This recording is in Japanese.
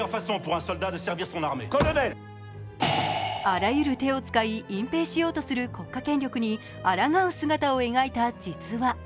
あらゆる手を使い、隠蔽しようとする国家権力にあらがう姿を描いた実話。